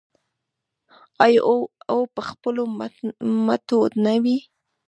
آیا او په خپلو مټو نه وي؟